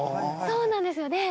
そうなんですよ。